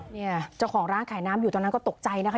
เนี่ยเจ้าของร้านขายน้ำอยู่ตอนนั้นก็ตกใจนะคะ